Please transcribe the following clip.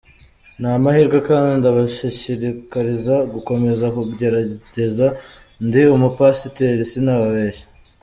Ni amahirwe kandi ndabashishikariza gukomeza kugerageza ndi umu pasiteri sinababeshya.